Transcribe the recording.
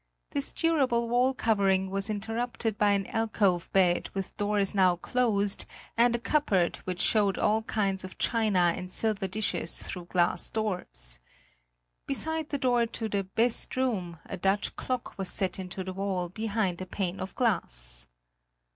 This durable wall covering was interrupted by an alcove bed with doors now closed, and a cupboard which showed all kinds of china and silver dishes through glass doors. Beside the door to the "best room" a Dutch clock was set into the wall behind a pane of glass.